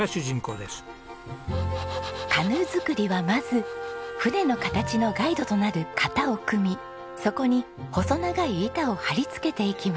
カヌー作りはまず舟の形のガイドとなる型を組みそこに細長い板を貼り付けていきます。